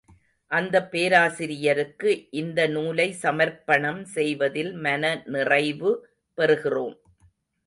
அந்தப் பேராசிரியருக்கு இந்த நூலை சமர்ப்பணம் செய்வதில் மன நிறைவு பெறுகிறோம்.